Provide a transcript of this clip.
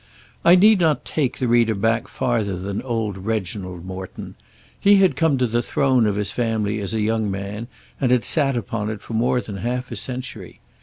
I need not take the reader back farther than old Reginald Morton. He had come to the throne of his family as a young man, and had sat upon it for more than half a century.